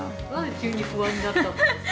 急に不安になって。